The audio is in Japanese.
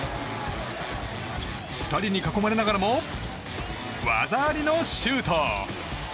２人に囲まれながらも技ありのシュート！